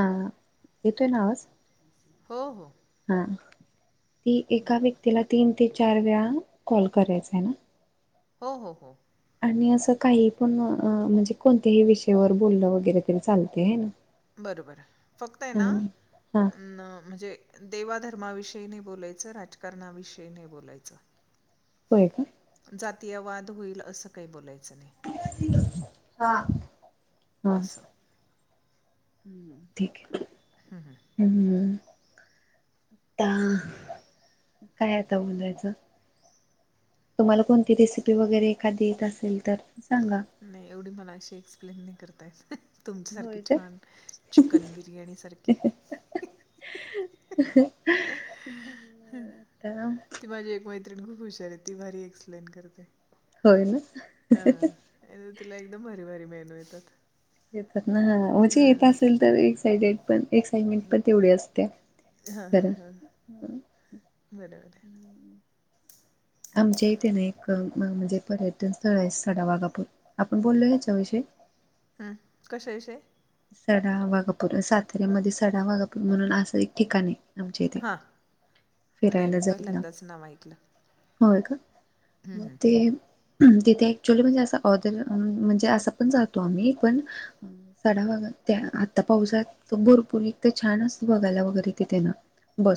हा येतोय ना आवाज? हो हो हा ती एका बोला बोला व्यक्तीला तीन ते चार वेळा कॉल करायच आहे ना? हो हो हो आणि असं काही पण म्हणजे कोणत्याही विषयावर बोललं वगैरे तरी चालतय है ना? बरोबर फक्त आहे हा ना हा न म्हणजे देवाधर्माविषयी नाही बोलायचं, राजकारणाविषयी नाही बोलायचं. होय का? जातीयवाद होईल असं काही बोलायचं नाही हा हा असं हम् ठीक आहे हम् आत्ता काय आता बोलायचं? तुम्हाला कोणती रेसिपी वगैरे एखादी येत असेल तर सांगा नाही एवढी मला अशी एक्सप्लेन नाही करता येत [unintelligible] तुमच्यासारखी होय का छान चिकन बिर्याणी सारखी [unintelligible] आता ती माझी एक म, मैत्रिण खूप हुशार आहे ती भारी एक्सप्लेन करते. होय ना हां [unintelligible] आणि तिला एकदम भारी भारी मेनू येतात. येतात ना? हा म्हणजे येत हां असेल तर एक्सायटेड पण एक्साइटमेंट पण तेवढी असते हां हां कारण हां बरं बरं आमच्या इथे ना एक म्हणजे पर्यटन स्थळ आहे साडा वागापूर आपण बोललो याच्याविषयी हम्म कशा विषय. सडावागापूर साताऱ्यामध्ये सडावागापूर म्हणून असं एक ठिकाण आहे. आमच्या इथे हा नाही फिरायला मी जायला पहिल्यांदाच नाव ऐकलं. होय का, हं मग हं. ते तिथे ऍक्च्युअली म्हणजे असा ऑर्दर म्हणजे असा पण जातो आम्ही पण साडा वाघा त्या आता पाऊसात भरपूर इतक छान असत बघायला वगैरे तिथे ना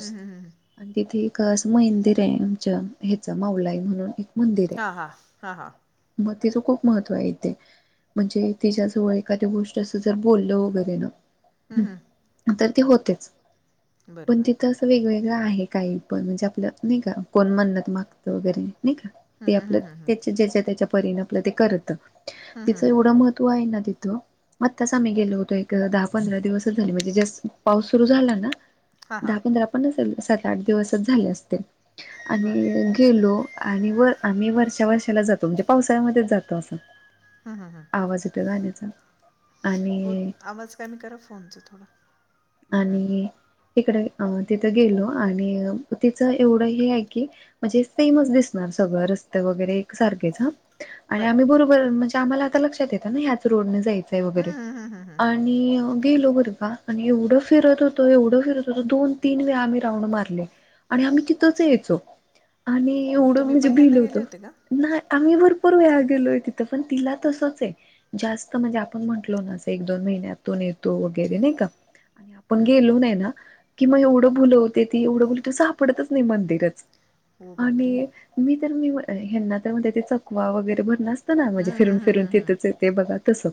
हं हं हं हं. आणि तिथे एक मदिर आहे आमच्या ह्याच मावलाई म्हणून एक मंदिर हा आहे हा, हा हा. मग तिचं खूप महत्व आहे तेे म्हणजे तिच्याजवळ एखाद्या गोष्ट असं जर बोललं वगैरे ना हम्म हम्म. तर ते होतेच पण तिथं बरोबर. असं वेगवेगळं आहे काही पण म्हणजे आपलं नाही का कोण मण्णत मागतं वगैरे नाही का हं ते हं आपलं हं हं हं. त्याच्या ज्याच्या त्याच्या परीने आपलं ते करत. हं हं तिचं हं. एवढं महत्त्व आहे ना तिथं. आत्ताच आम्ही गेलो होतो एक दहा पंधरा दिवसच झाली म्हणजे जस् पाऊस सुरु झाला ना हां हां. दहा पंधरा पण नसेल सात आठ दिवसच झाले असतील बरं. आणि गेलो आणि व आम्ही वर्षा वर्षाला जातो म्हणजे पावसाळ्यामध्येच जातो असं. आवाज येतोय गाण्याचा. ओ आणि आवाज कमी करा फोनच थोडा. हं हं. आणि इकडे तिथं गेलो आणि तिचं एवढं हे आहे की म्हणजे सेमच दिसणार. सगळं रस्ते वगैरे एक सारखेच हा. आणि बरं. आम्ही बरोबर म्हणजे आम्हाला आता लक्षात येत ना ह्याच रोडने जायच हं वगैरे हं हं हं हं. आणि गेलो बरं का आणि ये एवढ फिरत होतो एवढं फिरत होतो दोन तीन वेळा आम्ही राऊंड मारले. आणि आम्ही तिथंच यायचो आणि एवढं तुम्ही म्हणजे भिल पहिल्यांदा होत गेले होते का? नाही आम्ही भरपूर वेळा गेलोय तिथं पण तिला तसंच आहे, जास्त म्हणजे आपण म्हटलो ना एक दोन महिन्यातून येतो वगैरे नाही का. आपण हं. गेलो नाही ना की मग एवढं भुलवते ती एवढं सापडतच नाही मंदिरच. ओ बापरे! आणि मी तर मी हेन्ना तर म्हणते चकवा वगैरे असतना म्हणजे हं हं फिरून हं फिरून हं हं. तिथंच येते बघा तसं.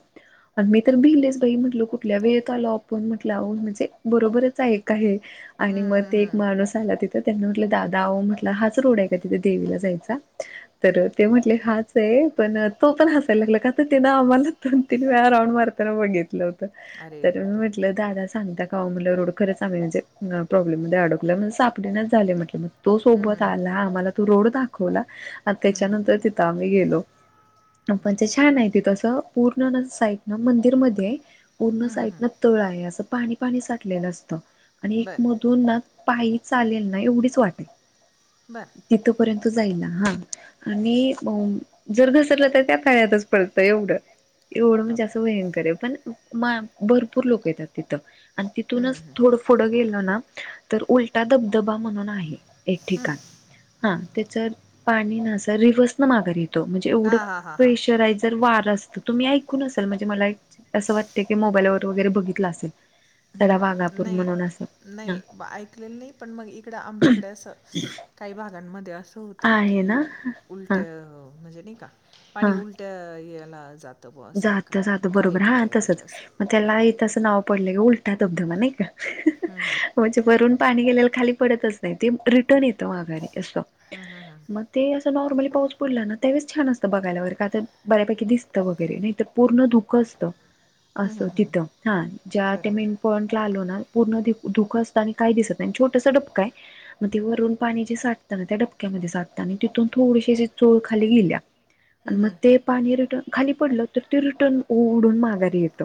आणि मी तर भिलेच बाई म्हटल कुठल्या वेळेत आलो आपण म्हटलं लावून म्हणजे बरोबरच एक आहे आणि हं मग हं हं ते एक हं. माणूस आला ति त्यांना म्हटलं दादा म्हटलं हाच रोड आहे का तिथे देवीला जायचा तर ते म्हटले हाच आहे पण तो पण हासयला लागला का तरं आम्हाला दोन-तीन वेळा राऊंड मारताना बघितलं होत अरे तर मी बापरे! म्हटल सांगता का ओ म्हणल रोड खरच आ्ही म्हणजे प्रॉब्लेम मध्ये अडकलोय आम्हाना सापडनाच झाले म्हट्ल तो हं सोबत हं हं. आला आम्हाला तो रोड दाखवला आ हं हं. त्याच्यानंतर तिथं आम्ही गेलो म्हणजे बापरे! छान आहे तिथ अस पूर् पूर्ण साईडन मंदिरमध्ये पूर्ण हं हं हं. साईडन तळ आहे असं पाणी पाणी साठलेलं असतं. आणि एक बरं. मधून ना पायी चालेल ना एवढीच वाट ये बरं. तिथपर्यंत जायला ह आणि जर घसरलं तर त्या तळ्यातच पडत एवढं. एवढ म्हणजे बापरे! असं भयंकर आहे पण भरपूर लोक येतात तिथं. आणि हं हं तिथूनच हं. थोडं पुढे गेलं ना तर उलटा धबधबा म्हणून आहे. एक हं, ठिकाण, हा हं. तेच पाणी ना अस रिव्हर्स न माघारी येत म्हणजे एवढ हां, हां, हां, हां. प्रेशर तुम्ही ऐकून असेल म्हणजे मला असं वाटते की मोबाईलवर वगैरे बघितलं असेल. सड हं, हं. वाघापूर नाही, म्हणून अस. नाही ऐकलेलं नाही पण मग इकडं आमच्याकडे असं काही भागांमध्ये असं होतं. आहे ना की हा उलट्या म्हणजे नाही का पाणी उलट्या यायला जात. जात जात बरोबर हा तसंच असं. मग त्याला आ तसं नाव पडलं का उलटा धबधबा नाही का. हं, हं. म्हणजे भरून पाणी गेलेला खाली पडतच नाही ते रिटर्न येत. घारी अस हं, हं, हं. मग ते अस नॉर्मली पाऊस पडला ना. त्यावेळेस छान असतं बघायला बर का तर बऱ्यापैकी दिसतं वगैरे नाही तर पूर्ण धुकं असतं. हं, असं हं, हं. तिथं हा ज्या ते बरं, बरं. मेन पॉंइंट ला आलो ना पूर्ण तिथ धुकं असत आणि काय दिसत आणि छोटस डपक आहे मग ते वरून पाणी जे साठतं ना त्या डपक्यामध्ये साठत. आणि तिथून थोडीशी अशी चोळ खाली गेल्या आणि हं, मग ते हं. पाणी रिटन खाली पडलं तर ते रिटर्न ओढून माघारी येत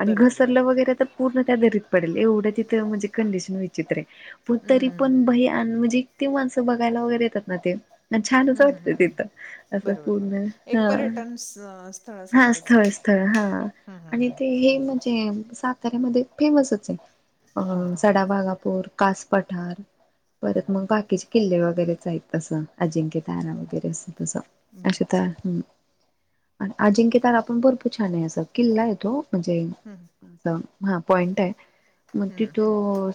आणि बरं, बरं, बरं. घसरलं वगैरे तर पूर्ण त्या दरीत पडेल एवढ म्हणजे कंडीशन विचित्र आहे पण तरी हं. पण भय म्हणजे ती माणसं बघायला वगैरे येतात ना ते छानच हं, हं, वाटत हं, हं. तिथं असं बरं, बरं, बरं. पूर्ण एक हा पर्यटन स हा स्थळासारखंच मग. स्थळ-स्थळ हां हं, हं, आणि ते हे हं. बरं. म्हणजे सातऱ्या मध्ये फेमसच हां, आहे हां, हां. सडाभागापूर, कास पठार परत हम्म, मग बाकीचे किल्ले वगैरेच आहेत तसं अजिंक्य तारा वगैरे असं. अस अशा बरोबर काय आठवणी. अजिंक्य तारा पण भरपूर छान आहे असं किल्ला आहे तो म्हणजे हम्म, असं हा पॉईंट आहे मग हम्म, तिथ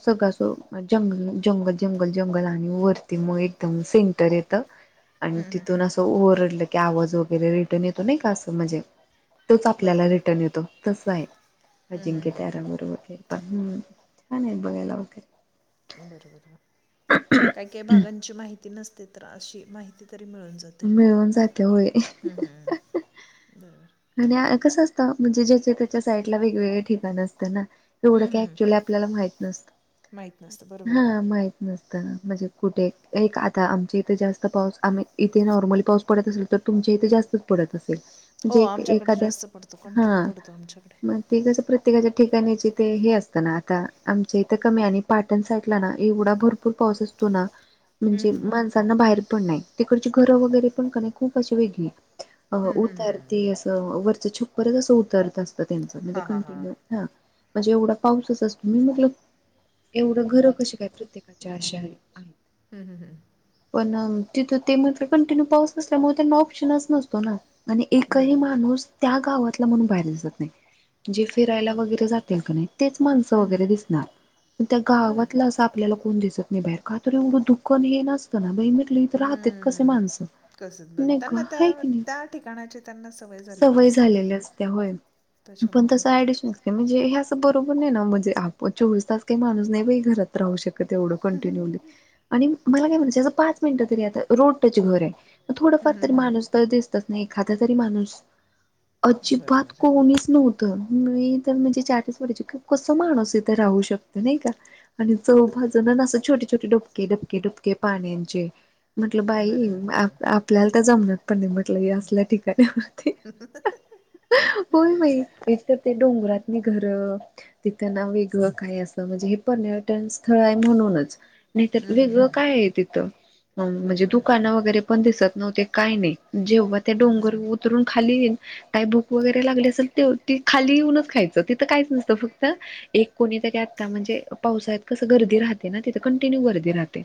सगळ असं जंगल-जंगल जंगल-जंगल आणि वरती मग एकदम सेंटर येत आणि हम्म, हम्म, तिथून असं ओरडलं की आवाज वगैरे रिटर्न येतो नाही का असं म्हणजे तोच आपल्याला बरोबर रिटर्न येतो तसं आहे. हम्म, हम्म, अजिंक्य त्याार हम्म, गुर वगैरे पण छान आहेत बघायला वगैरे. बरोबर काय काही भागांची माहिती नसते तर अशी माहिती. तरी मिळून जातय मिळून जाते होय हम्म, हम्म. आणि कसं असतं म्हणजे ज्याच, त्याच्या साईड ला वेगवेगळे ठिकाण असतं ना. एवढं का बरोबर एक्च्युली आपल्याला माहित नसत माहीत नसतं बरोबर आहे हा माहित नसत. म्हणजे कुठे एक आता आमच्या इथे जास्त पाऊस आम्ही इथे नॉर्मली पाऊस पडत असेल तर तुमची तिथे जास्तच पडत असेल हो म्हणजे आमच्याकडे एखाद्या जास्त पडतो कंटिन्यू हा पडतो आमच्याकडे. मग ते कसं प्रत्येकाच्या ठिकाणीचे ते हे असतं ना आता आमचे इथं कमी आणि पाटण साटला ना एवढा भरपूर पाऊस अस असतो ना म्हणजे माणसांना बाहेर पण नाही तिकडची घरं वगैरे पण कने खूप अशी वेगळी आहेत. हम्म, हम्म, हम्म. वरच छप्परच अस उतारत असत त्यांच म्हणजे हां हां कंटिन्यू हां. म्हणजे एवढा पाऊसच असतो मी म्हटलं एवढं घरं कशी काय प्रत्येकाची अशी आहेत. हम्, हम्, हम्. पण तिथ ते म्हटले कंटिन्यू पाऊस असल्यामुळे त्यांना ऑप्शनच नसतो ना आणि काही बरोबर आहे माणूस त्या गावातला म्हणून बाहेर दिसत नाही. जे फिरायला बघ वगैरे जातील का नाही तेच माणसं वगैरे दिसणार. त्या बरं गावातला अस आपल्याला कोण दिसत नाही बाहेर का तर एढं दुःख नाही हे नसतं ना इथ राहतात कस माणसं कसंच बरं निगळ त्यांना हाय त्या की नाही. त्या ठिकाणाची त्यांना झालेली सवय असते ना झालेली असत्या होय पण त्याच्यामुळं तस ऍडिशन असत्या म्हणजे बरोबर नाही ना म्हणेजे आपण चोवीस तास काही माणूस नाही बाई घरात राहू शकत. तेवढं कंटिन्यूली, आणि मला काय म्हणायचंय पाच मिनिटं तरी रोड टच घर आहे. फार हम्म तरी हम्म हम्म. माणूस तर दिसतच नाही एखादा तरी माणूस [unintelligible] बरोबर आहे कस माणूस इथं राहू शकतो नाही का. आणि चव भाजन असं छोटे-छोटे, डपके-डबके डुबके पाण्यांचे. म्हटलं बाई बरोबर बरोबर. आपल्याला तर जमणार पण नाही म्हटलं हेअसल्या ठिकाणीवरती. वेगळं होय बाई एकतर ते डोंगरातनी घर तिथं ना वेगळं काय असं म्हणजे हे पर्यटन स्थळ आहे म्हणूनच. नाही तर वेगळं काय आहे तिथं म्हणजे बरोबर बरोबर. दुकानं वगैरे पण दिसत नव्हते काय नाही. जेंव्हा ते हम्म हम्म डोंगर हम्म. पन खाली येन काही भूक वगैरे लागली असेल ते ती खाली येऊनच खायचं तिथं काहीच नसतं फक्त एक कोणी तरी आता म्हणजे पावसाळ्यात कसं गर्दी राहते ना तिथं कंटिन्यू गर्दी राहते.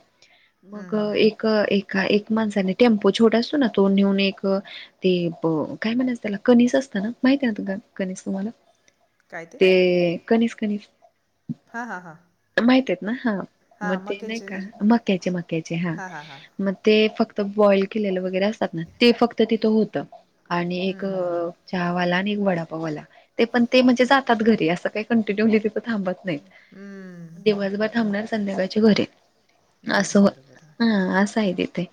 हम्म मग हम्म हम्म. एक एका एक माणसाने टेम्पो छोटा असतो ना तो नेऊन एक ते काय म्हणाच त्याला कनिस असत ना माहित आहे ना तु कनिस तुम्हाला काय ते कनीस कनीस हा हा हा हा मग ते नाही का मक्याचे मक्याचे हा हां हां हां. मग ते फक्त बॉइल केलेलं वगैरे असतात. ना ते फक्त तिथ होत आणि एक हम्म चहावाला वडापाव वाला ते पण ते म्हणजे जातात घरी असं काही पण कंटिन्यूलि तिथ् थांबत नाहीत. हम्म दिवसभर बरोबर थांबणार संध्याकाळच्या घरी घरी असं बरोबर. हा असं आहे ते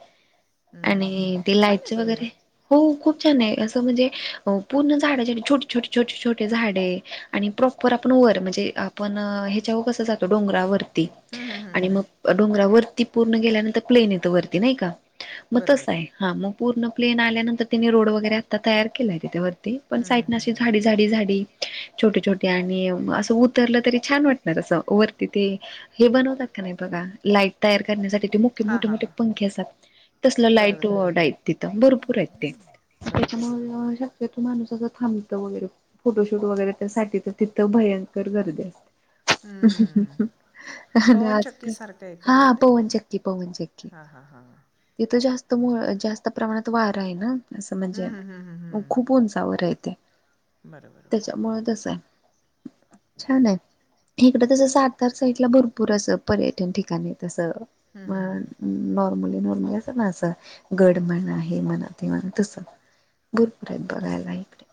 हम्म हम्म आणि हम्म ते छान लाईटच आहे पण वगैरे मग. हो खूप छान आहे असं म्हणजे पूर्ण झाडा छोटी छोटी छोटे छोटे झाडे आणि प्रॉपर आपण वर म्हणजे आपण ह [inaudible] कस जत डोंगरावरती हम्म हम्म हम्म आणि हम्म मग डोंगरावर ती पूर्ण गेल्यानंतर प्लेन् येत वरती नाही का म तास बरोबर हाय हा म पूर्ण प्लेन आल्या नतर तिने रोड वगैरे आता तयार केलाय तिवर पण हम्म हम्म साईड हम्म. झाडी साईडला अशी झाडी झाडी छोटे छोटी आणि अस उतरल् तरी छान वाटणार अस वरति ते हे बनवतात का नाही बघा लाईट तयार ते करण्यासाठी हा मोठे करण्यासाठी हा मोठे हा पंखी असतात तसला लाईट बरोबर आहे वार्ड आहेत् तिथं भरपूर आहेत लाईटिंग बरोबर बरोबर [unintelligible] तस थांबतं वगैरे फोटोशूट वगैरे त्यासाठी तर तिथं भयंकर गर्दी असते. [inaudible] हम्म. पवनचक्की सारखं आहे का हा तिकडे पवनचक्की पवनचक्की हा हा हा तिथं जास्त बरं. जास्त प्रमाणात वारा आहे ना असं म्हणजे हम्म हम्म हम्म हम्म खूप हम्म उंचावर आहे ते बरोबर बरोबर त्याच्यामुळ तस आहे छान आहे इकडं तस सातार साईडला भरपूर असं पर्यटन ठिकाणी तस हम्म हम्म हम्म. नॉर्मली नॉर्मली असं ना असं गड म्हणा हे म्हणा तस भरपूर आहेत बरोबर बघायला इकडे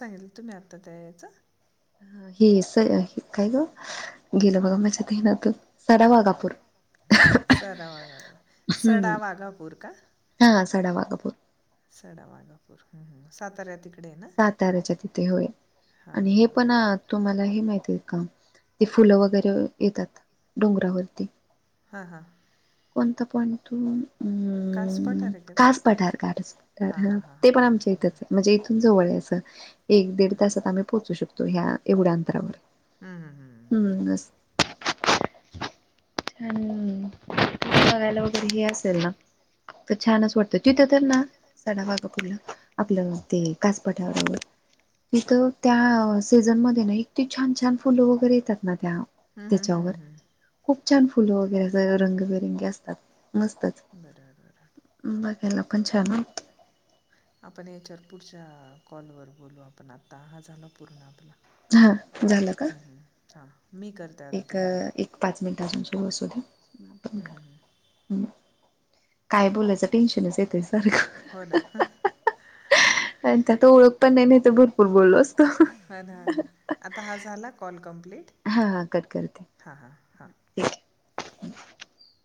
सांगल तुम्ही आत्ता त्या यायच हे स काय ग गेल् बघा माझ्या ध्यनातून सरळ वारा सडा वाघापूर हम्म. सडा वाघापूर का हा सडा वाघापूर सडा मागापूर ह साताऱ्या त साताऱ्याच्या तिथे होय हां आणि हे हां पण हां तुम्हाला हे माहिती का ते फुलं वगैरे येतात डोंगरावरती हां हां कोणतं पॉईंट ह्म्म [inaudible] ते कास पठार का हां हा हां हां ते पण हां आमच्या इथच आहे म्हणजे इथून जवळ एक दीड बरं बरं बरं तासात आम्ही पोहोचू शकतो ह्या एवढ्या अंतरावर हम्म हम्म हम्म बरोबर छान बघायला तर छानच वाटतं तिथे तर ना साड वागा कुठलं आपलं ते कासपाठावर तथ त्या सीझन म ना छान छान फुलं वगैरे येतात ना त्या हं, हं, हं, त्याच्यावर हं, हं. खूप छान फुलं वगैरे रंगबेरंगी असतात मस्तच बरं बरं बरं बघायला पण छान आपण याच्यावर पुढच्या कॉलवर बोलू आपण आता हा झाला पूर्ण आपला हा झालं का हं, हं. हां मी करते आता एक तू म्हणा एक पाच मिनिटापासून सुरू असू द्या हं, हं, हं. आपण काय बोलायचं टेन्शनच येतय सारखं हो ना आणि त्यात ओळख पण नाही नाही तर भरपूर बोललोस हा ना हा ना आता हा झाला कॉल कंप्लीट. हा हा कट करते हा हा हा. ठीक [inaudible]